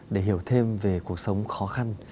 để hiểu thêm về cuộc sống khó khăn